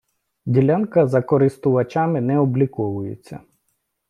Ділянка за користувачами не обліковується.